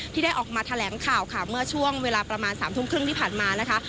ที่ได้ออกมาแถลงข่าวค่ะเมื่อช่วงเวลาประมาณ๓ทุ่มครึ่งที่ผ่านมานะคะ